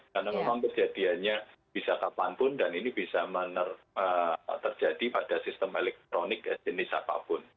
karena memang kejadiannya bisa kapanpun dan ini bisa terjadi pada sistem elektronik jenis apapun